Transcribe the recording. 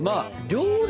料理。